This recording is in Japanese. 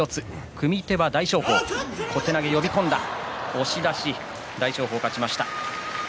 押し出し大翔鵬勝ちました。